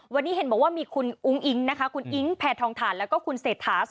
วันนี้เห็นบอกว่ามีคุณอุ้งอิ๊งนะคะคุณอิ๊งแพทองทานแล้วก็คุณเศรษฐา